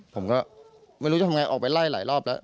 ผมก็ไม่รู้จะทำไงออกไปไล่หลายรอบแล้ว